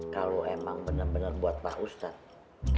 kalau emang bener bener buat pak ustadz